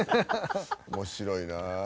面白いな！